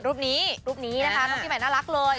รูปนี้รูปนี้นะคะน้องปีใหม่น่ารักเลย